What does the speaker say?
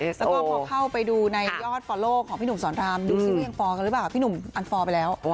แล้วก็พอเข้าไปดูในยอดฟอลโลของพี่หนุ่มสอนรามดูสิว่ายังฟอร์กันหรือเปล่าพี่หนุ่มอันฟอร์ไปแล้ว